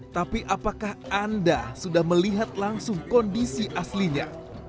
tapi apakah anda sudah melihat langsung kondisi aslinya